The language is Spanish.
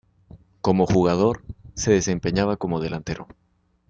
Como jugador, se desempeñaba como delantero.